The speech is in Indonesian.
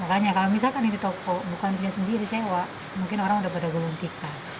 makanya kalau misalkan ini toko bukan dirinya sendiri sewa mungkin orang udah pada gulung tikar